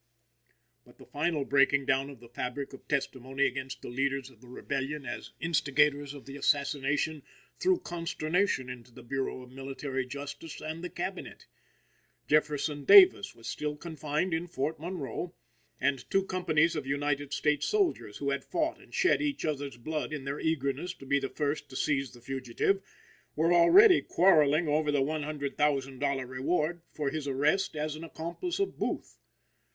But the final breaking down of the fabric of testimony against the leaders of the rebellion, as instigators of the assassination, threw consternation into the Bureau of Military Justice and the Cabinet. Jefferson Davis was still confined in Fort Monroe, and two companies of United States soldiers, who had fought and shed each other's blood in their eagerness to be the first to seize the fugitive, were already quarreling over the $100,000 reward for his arrest as an accomplice of Booth.